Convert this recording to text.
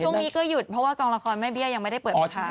ช่วงนี้ก็หยุดเพราะว่ากองละครแม่เบี้ยยังไม่ได้เปิดราคา